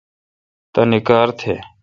تانی کار تھ۔